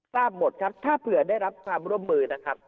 ทราบหมดครับถ้าเผื่อได้รับความร่วมมือนะครับ